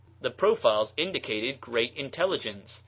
The profiles indicated great intelligence.